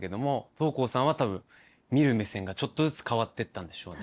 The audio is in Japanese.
桃紅さんは多分見る目線がちょっとずつ変わっていったんでしょうね。